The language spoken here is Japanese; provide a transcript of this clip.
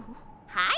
はい。